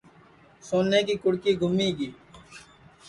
سونے کی کُڑکی گُمی گی